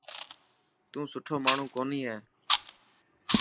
تون سٺو ماڻهو ڪوني هي.